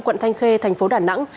quận thanh khê thành phố đà nẵng